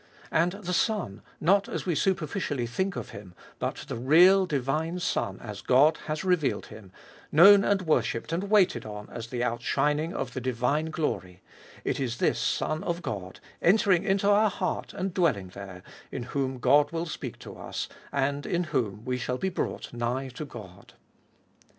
And the Son, not as we superficially think of Him, but the real divine Son as God has revealed Him, known and worshipped and waited on as the out shining of the divine glory, — it is this Son of God, entering into our heart and dwelling there, in whom God will speak to us, and in whom we shall be brought nigh to God.